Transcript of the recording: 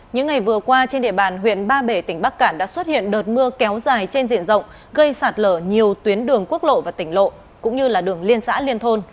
những ngày vừa qua trên địa bàn huyện ba bể tỉnh bắc cạn đã xuất hiện đợt mưa kéo dài trên diện rộng gây sạt lở nhiều tuyến đường quốc lộ và tỉnh lộ cũng như là đường liên xã liên thôn